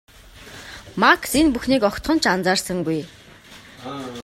Макс энэ бүхнийг огтхон ч анхаарсангүй.